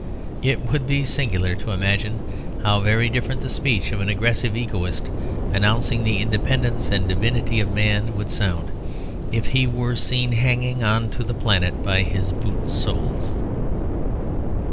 It would be singular to imagine how very different the speech of an aggressive egoist, announcing the independence and divinity of man, would sound if he were seen hanging on to the planet by his boot soles.